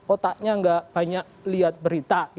otaknya nggak banyak lihat berita